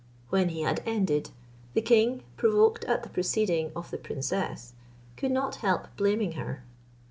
When he had ended, the king, provoked at the proceeding of the princess, could not help blaming her.